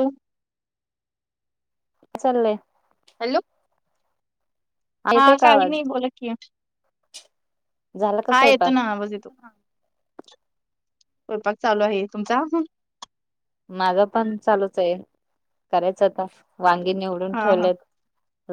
हम्. चाललय. हॅलो. हा येतय का काही आवाज नाही बोला की, झाला का हा येतो स्वयंपाक ना आवाज येतो. स्वयंपाक चालू आहे तुमचा. माझं पण चालूच आहे, करायचं आता, वांगी निवडून हा हा ठेवलेत.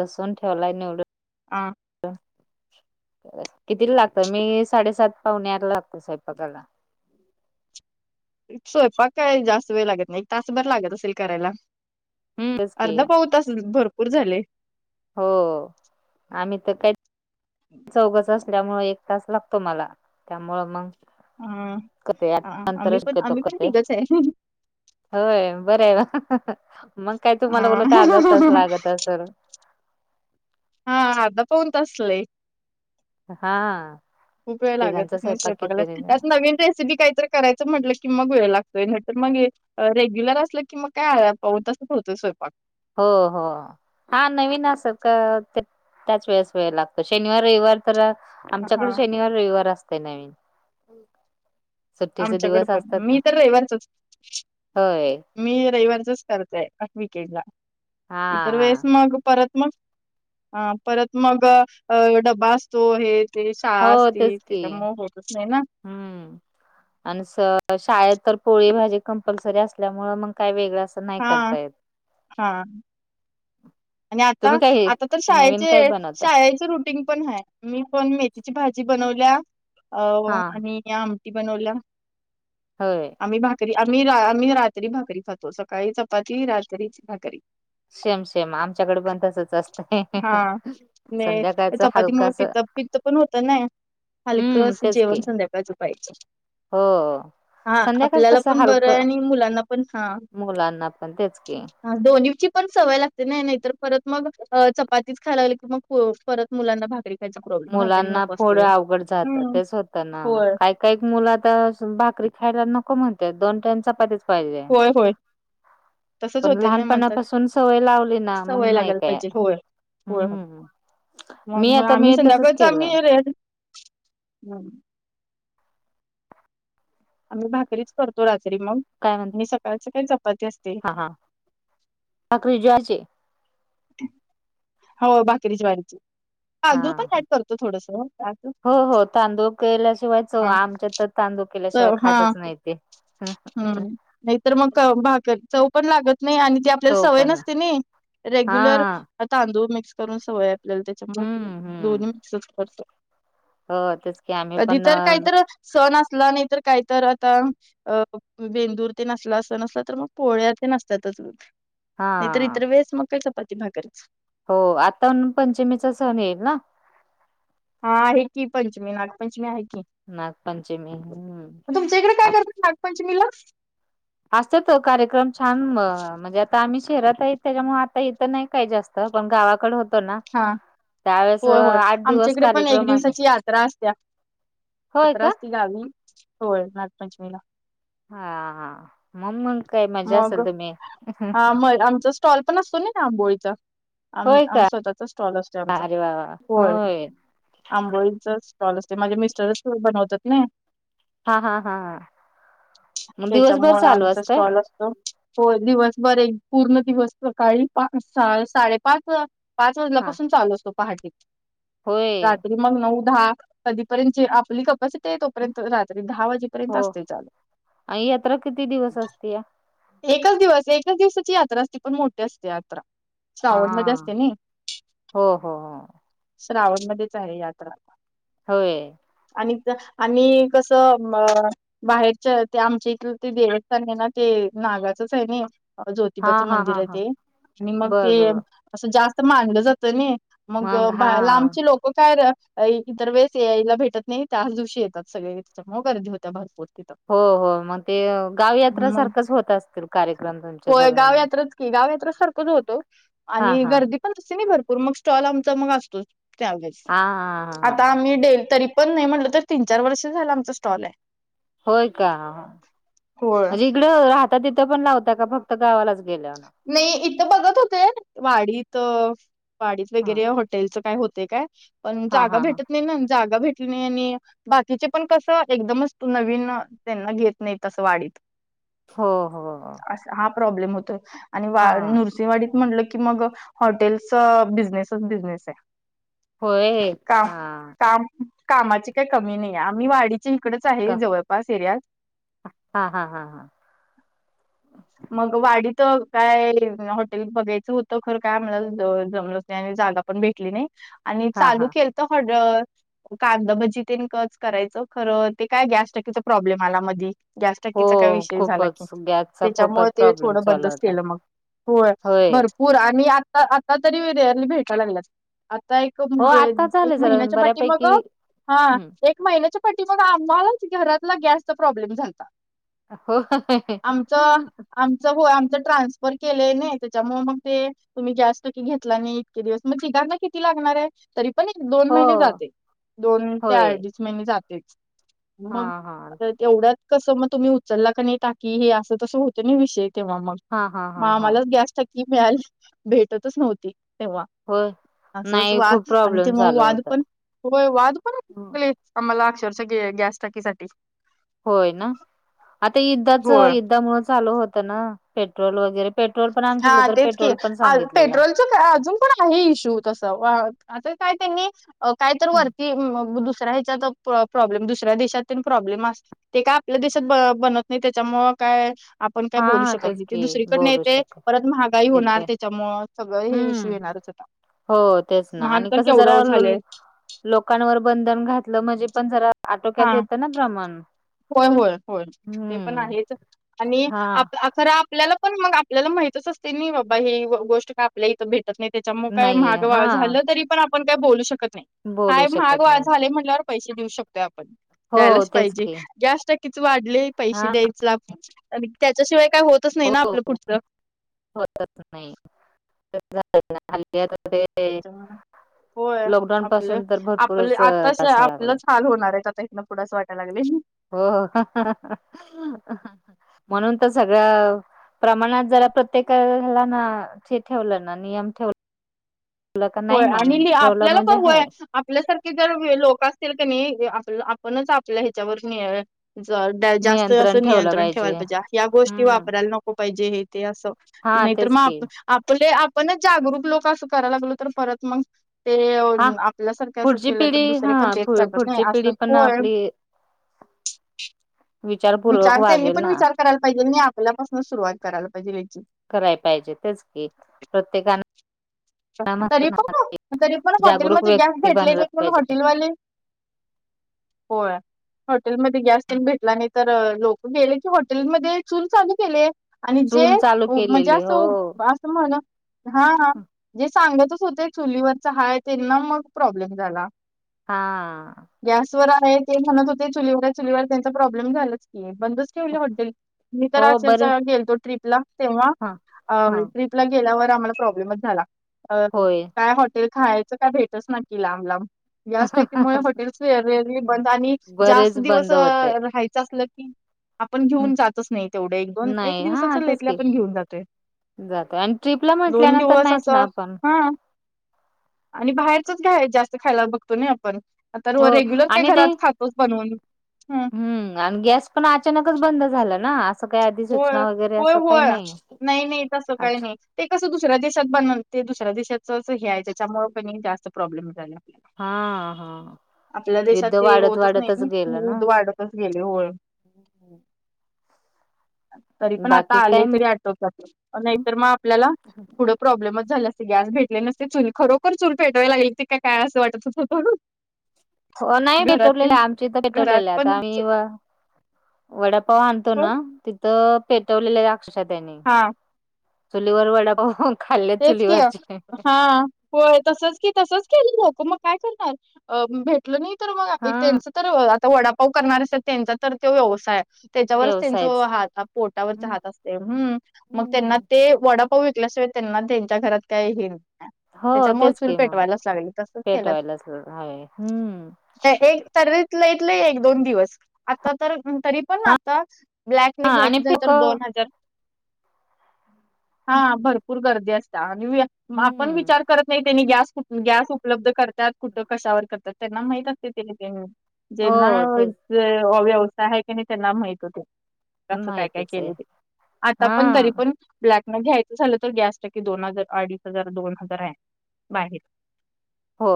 लसूून ठेवलाय निवडून. हा. त, कितीला लागत मी साडेसात पाहुने आठला लागतोय स्वयंपाकाला. स्वयंपाक काय जास्त वेळ लागत नाही तास भरं लागत असेल करायला. हम्म तेच की अर्धा पाऊन तास भरपूर झाले. हो, आम्ही तर काही चौघच असल्यामुळे एक तास लागतो मला, त्यामु म हा कते आठ हा. आम्ही नंतरच पण शिकतो आम्ही पण कते. तिघच आहे होय बर आहे, मग काय हा तुम्हाला उलट अर्धा तास लागत असल. हा अर्धा पाऊन तास लई. हा. खूप वेळ तिघांचा लागतच नाही स्वयंपाक स्वयंपाकाला किती त्यात नवीन रेसिपी काहीतर करायचं म्हटलं की मग वेळ लागतोय न तर मग रेग्युलर असलं की मग काय पाहून तासात होतोय स्वयंपाक. हो हो हा नवीन असत का त्याच वेळेस वेळ लागतो शनिवार रविवार तर आमच्याकडे हा शनिवार रविवार असते नवीन सुट्टीचे आमच्याकड दिवस पण असतात ना मी तर रविवारचच. होय मी रविवारचच करतोय आठ विकेड ला हा इतर हा वेळेस मग परत मग ह परत मग अ डबा असतो हे. ते शाळा हो तेच असतील की त्याच्या मग होतच नाही ना. हम्म आणि शाळेत तर पोळी भाजी कंपल्सरी असल्यामुळे मग काय वेगळां अस. नाही हा करता येत. हा आणि आता तुम्ही काय आता तर नवीन शाळेचे काय बनवता शाळेचे रुट. पण ह मी पण मेथीची भाजी बनवल्या अ हा आणि या आमटी बनवला. होय. आम्ही भाकरी आम्ही रा आम्ही रात्री भाकरी खातो सकाळी चपाती रात्रीच भाकरी सेम सेम आमच्याकडे पण तसच असतंय हा म संध्याकाळच हलकं चपातीमुळे असं प पत पण होत. तर नाही हलकं अस जेवण संध्याकाजू पायचं. हा. हा आपल्याला पण बरं आहे आणि मुलांना पण हा. मुलांना पण तेच की ह दोन दिवशी पण सवय लागते. नाही नाही तर परत मग चपातीच खाय लागली कि मग परत मुलांना भागरी मुलांना फोड अवघड जातं हम्म. तेच होतं ना होय काय? काही एक मुलं आता बाकरी खायला नको म्हणते दोन टान चपातीत होय होय. तसच पण होत ना म्हणंत लहानपणापासून सवय लावली ना मग सवय नाही लागाल काय पाहिजे होय. हो हम्म मग मी मग आता आम्ही मी तसच संध्याकाळच आम्ही केलंय र. आम्ही भाकरीच करतो रात्री मग काय म्हणत? आणि सकाळच काही चपाती असते. हा हा बाकीचे हो भाकरीच्या ज्वारी रीची हा हो हो तांदूळ केल्याशिवाय च हा. आमच्या तांदूळ च- केल्याशिवाय हा खातच नाही ते हम्म नाहीतर मग भाकर चव पण लागत नाही आणि ती आपल्याला चव सवय पण नसते ना. हा रेग्युलर तांदूळ मिक्स करून सवय आपल्याला त्याच्या हम्म हम्म दोन्ही मिक्सच करत. हो तेच की आम्ही पण सण असला नाहीतर काहीत आता अ बेंदूर ते नसला असं नसला तर मग पोळ्या ते नसतातच. नाही तर हा इतर वेळेस मगक चपाती भागच. हो आता पंचमीचा सण येईल ना. हा आहे की पंचमी नागपंचमी आहे की नागपंचमी हम्म. तुमच्याकडे काय करतात नागपंचमी पंचमीला. असत तो कार्यक्रम छान म्हणजे आता आम्ही शहरात आहे त्याच्यामुळे आता येतं नाही काय जास्त पण गावाकडे होतो ना. हा त्यावेेळेस हो होय आठ दिवस आमच्याकडे पण एक कार्यक्रम अस दिवसाची यात्रा असत्या. होय का सातरास त झााली होय नागपंचमीला हा मग मग काय मजा असेल तुम्ही? आमच. स्टॉल पण असतो ना ना आंबोळीचा आमी होय आमी का स्वतःचा स्टॉल असतोय आमचा, अरे वा वा होय आंबोळीचा स्टॉल असतोय माझे मिस्टरच बनवतात ने हा हा हा मग दिवसभर चालू असतंय? हॅलो! हो दिवस भर एक पूर्ण दिवस सकाळी पाच साडेपाच पाच हा वाजल्यापासून चालू असतो पहाटे होय रात्री मग नऊ दहा कधीपर्यंत जी आपली बस ते तोपर्यंत रात्री दहा वाजेपर्यंत हो असतय चालु आणि यात्रा किती दिवस असते या एकाच दिवस एकाच दिवसाची यात्रा असती पण मोठी असती यात्रा हा श्रावण मध्ये असते नी? हो हो हो श्रावण मध्येच आहे यात्रा होय आणि तिथं आणि कसं मं बाहेरच्या ते आमचे इथ ते देवस्थानय ना ते नागाचच हाय नी हा ज्योतिबाचं हा मंदिर हा आहे हा ते आणि मग बर ते बर बर. असं जास्त मानलं जातं नी मग लांबची लोकं [unintelligible] हो काय इतर वेळेस यायला भेटत नाही त्याच दिवशी येतात सगळें त्याच्यामुळं गर्दी होत्या भरपूर तिंथ हो हो, मग ते गाव यात्र मग सारखच होत असतील,, कार्यक्रम तुमचे होय सगळे गाव म? यात्राच की गाव यात्रा सारखंच होतो आणि गर्दीत [unintelligible] भरपूर मग स्टॉल आमचा मग असतो, त्यावेळी हा हा हा आता हा. आम्ही डेली तरी पण नाही म्हटलं तर तीन चार वर्ष झालंय आमचा स्टॉलाय होय का,, होय म्हणजे इकडं राहता तिथं पण लावता का? फक्त गावालाच गेल्याव नाही इथं बघत होते वाडीत, वाडीत हा वगैरे हॉटेलचं काय होतेय काय? पण हा जागा हा हा भेटत नाही ना जागा भेटली नाही आणि बाकीचे पण कसं, एकदमच नवीन, त्यांना घेत नाही असं वाडीत हो हो, असं हा प्रोब्लेम होतोय,, आणि हा वाडी नुस नरसेवाडीत म्हटलं की मग,, हॉटेलच बिझनेसच, बिझनेसय होय काम, हा काम, कामाची काही कमी नाही, आम्ही वाडीत तशी इकडचं आहे,, का जवळपास एरियात हा, हा, हा हा. मग वाडीत तर काय हॉटेल बघायचं होतं, खरं काय आम्हला जमलंच नाय आणि जागा पण भेटली नाही, आणि हा चालू हा केलंत तर [unintelligible] कादां भजी तेन करायचो, खरं ते काय, गॅस टाकीचा प्रॉब्लेम आला मधी गॅस हो टाकीचा काय विषय झाला, खूपच की गॅसचा त्यामुळे खूपच ते प्रॉब्लेम थोड चालू बंदच होता केल मग, होय, भरपु पूर,, आणि आता आता तरी रेयरली भेटायला लागल्यात आता एक, हो आता एक चालू जरा महिन्याच्या पाटीमाग, बऱ्यापैकी हा, हम्म. एक महिन्याच्या पाटी मागं आम्हालाच घरातला गॅसचा प्रॉब्लेम झालता हो काय मच, आमच होय ट्रान्सफर केलंय नाय, त्याच्यामुळे मग ते तुम्ही गॅस टाकी घेतला नाय, इतके दिवस, मग तिघांना किती लागणारय? तरी पण एक दोन हो महिने जाते, दोन ते होय अडीच महिने जातेच हा मग हा एवढ्यात कसं मग तुम्ही, उचला का नाही, टाकी, हे असं म तसं होतयनी विषय तेव्हा मग,, हा हा हा हा आम्हालाच गॅस टाकी मिळाली, भेटतच नव्हती, तेव्हा होय असच नाही खूप वाद,, आणि ते प्रॉब्लेम मग, झालं वाद होत. पण, होय वाद पण होताते लय आम्हाला अक्षरशः गॅस टाकीसाठी, होय ना, आता यूद्धाच, होय युद्धामुळे चालू होतं ना पेट्रोल वगैरेऽ पेट्रोल पण, आमच्याकडे तर पेट्रोल पण सांगितलेल. आमच्यात अजून पण आहे इशू तसा, वा आता काय त्यांनीऽ? अ काय तर हम्म. वरती दुसऱ्या ह्याच्यात अ प प्रॉब्लेम, दुसऱ्या देशात तेन प्रॉब्लेम असतेत, ते काय आपल्या देशात ब बनत नाही, त्याच्यामुळ काय? आपण काय बोलू हा शकत तेच नाही? ती की दुसरीकडन येत बोलू ते शकत परत महागाई होणार येते त्याच्यामुळ, सगळं हे इश्यू हम्म येणारच आता. हो, तेच ना, महाग आणि तर कसं जरा केवढं झालंय लोकांवर बंधन घातलं म्हणजे, पण जरा हा आटोक्यात येतं ना प्रमाण, होय, होय, होय, ते पण हम्म आहेच आणि हा आप आप खर आपल्याला पण मग, आपल्याला माहितच असतय, नाही बाबा ही गोष्ट काय आपल्या इथं भेट टत नाही. त्याच्यामुळे काय नाहीये महाग हा झालं तरी पण आपण काय बोलू शकत नाही. बोलू काय महाग शकत व्हा नाही झालय, म्हणल्यावर पैसे देऊ शकतोय आपण, हो द्यायलाच तेच पाहिजे. की गॅस् टाक्कीेच वाढलय पैसे हा द्यायच आणि त्याच्याशिवाय काय होतच नाही हो ना, आपलं पुढचं होतच नाही झालय आता ते होय लॉकडाऊन आपलं, पासून तर आपलं भरपूरच आताच त्रास व्हायला लागलाय. आपलंचऽ हाल होणार आहेत, आता इथनं पुढं आस वाटायला लागलय. हो [unintelligible] म्हणून तर सगळं प्रमाणात जरा प्रत्येकाला ना, ते ठेवलं ना नियम ठेव वलं का होय नाही मग, आणि लि ठेवलं आपल्याला पण म्हणजे होय हाय. आपल्यासारखे जर लोक असतील की नाही आप आपणच आपल्या ह्याच्यावर नियन जास्त जास्त नियंत्रण ठेवलं नियंत्रण ठेवायला पाहिजे. ह्या गोष्टी हम्म वापरायला नको. नको पाहिजे हे ते अस हा नाही, तर तेच की मग आपले आपण जागरूक लोक असं करायला लागलो तर परत मग ते हा आपल्यासारखे असं पुढची केलं तर, पिढी दुसरे पण हा तेच पु- करत्यात नाही. पुढची असं पिढी पण होय. आपली विचारपूर्वक विचार तेनी वागेल पण ना विचार करायला पाहिजे म आपल्यापासून सुरुवात करायला पाहिजे याची कराय पाहिजे. तेच की, प्रत्येकान तरी पण, तरी पण जागरूक हॉटेलमध्ये गॅस व्यक्ती भेटले बनलाच नाहीत, पाहिजे. म्हणून हॉटेलवाले होय. हॉटेलमध्ये गॅस तेन भेटला नाही, तर लोक गेले की, हॉटेलमध्ये चूल चालू केले. आणि जे चूल चालू म्हणजे केलेली हो असं असं म्हन हा. जे सांगतच होते, चुलीवरच हाय त्यांना मग प्रॉब्लेम झाला. हा आ. गॅसवर आहे ते म्हणत होते, चुलीवर चुलीवर त्यांचा प्रॉब्लेम झालाच की बंदच ठेवले हॉटेल मी तर हो बरे अक्षरशा गेलतो, ट्रीपला तेव्हा ह आ ह ट्रीप ला गेल्यावर आम्हाला प्रॉब्लेमच झाला. होय काय हॉटेल खायचं काय भेटच ना की, लांब लांब. गॅस टाकीेमुळ हॉटेल्स वेररली बंद आणि बरेच जास्त दिवस बंद होते राहायचं असल की आपण घेऊन जातच नाही तेवढं. एक दोन एक नाही दिवसाच हा तेच लईत लई की आपण घेऊन जातोय. जातोय आणि ट्रीपला दोन म्हटल्यानंतर दिवस नाहीच असं ना आपण हा आणि बाहेरचच घ्याय जास्त खायला बघतो नाई आपन पर आता हो रो रेग्युलर आणि ते घरात खातोच, बनवून हा. हम्म आणि गॅस पण अचानकच बंद झाला ना. असं काही आधी होय. सूचना वगैरे होय असं काही होय नाही नाही नाही तस काय अच्छा नाही? ते कसं दुसऱ्या देशात बनवून, ते दुसऱ्या देशाचंच हे हाय, त्याच्यामुळ कणी जास्त प्रॉब्लेम झाला. हा हा आपल्या देशात युद्ध ते वाढत होतच वाढतच नाही नि [unintelligible] वाढ. तसच गेले होय. ह हू. तरी पण आता बाकी आलय काय तरी आटोक्यात नाहीतर मग आपल्याला पुढं प्रॉब्लेमच झाला असता की, गॅस भेटले नसते. चूल खरोखर चूल पेटवायला लागल की काय असं वाटत होतं म्हणून. हो नाही भेटवलेलं आहे. आमच्या इथे घरात भेटवलेले आहे पण आता. आम्ही व वडाप - पप्पा आणतो पण ना? तिथं पेटवलेले अक्षरशा त्यानी. हा चुलीवर वडा पाव खाऊन. तेच की. हा. होय तसच की. तसच केलेल होत. मग काय करणार? भेटल नाही तर मग हा त्यांच- तर, आता वडापाव करणारे असतात त्यांचा तर तो व्यवसायये. त्याच्यावरच त्यांच व्यवसायच हात पोटावरचे हात असते. हम्म. मग त्यांना हम्म ते वडापाव- ल्याशिवाय त्यांना त्यांच्या घरात कायईल? हो त्याच्यामुळं तेच चूल की मग पेटवायलाच लागली. तसच केलं. पेटवायलाच हवे हम्म एक तरीतलं एक दोन दिवस. आता तर तरी- पण आताच. ब्लॅकने हा घ्यायच आणि असल फेक तर दोन हजार. हा. भरपूर गर्दी असता. आणि आपण हम्म विचार करत नाही- त्यानी गॅस कु गॅस उपलब्ध करतात. कुठं कशावर करतात? त्यांना माहित असते. तेने ते- हो ज्यांना तेच अ व्यवसाय आहे की नाही? त्यांना माहित होते. असं काय काय माहितच आहे केल ते. आता पण, हा तरी पण ब्लॅकने घ्यायचं झालं- तर गॅस टाकी दोन हजार, अडीच हजार दोन हजार आहे बाहेर. हो.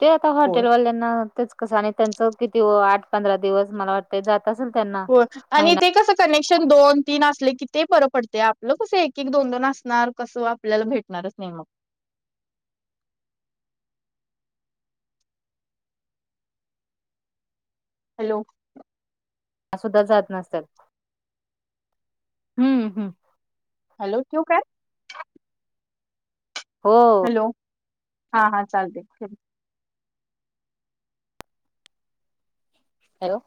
ते आता होय हॉटेलवाल्या- ना तेच कसं आणि त्यांच किती आठ पंधरा दिवस मला वाटतय जात असेल त्यांना. हो आणि महिना ते कस कनेक्शन दोन तीन असले की ते बर पडतेया. आपलं कस एक एक दोन दोन असणार कसं- आपल्याला भेटणारच नाही मग. हॅलो. सुद्धा जात नसेल. हम्म हम्म. हॅलो. ठेवू काय? हो. हॅलो. हा हा चालते. हॅलो.